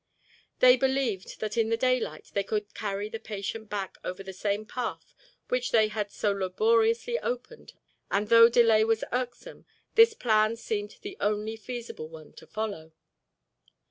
They believed that in the daylight they could carry the patient back over the same path which they had so laboriously opened and though delay was irksome this plan seemed the only feasible one to follow.